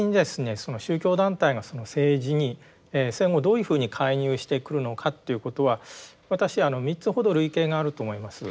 その宗教団体が政治に戦後どういうふうに介入してくるのかっていうことは私あの３つほど類型があると思います。